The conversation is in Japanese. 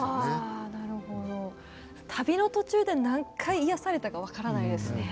旅の途中で何回癒やされたか分からないですね。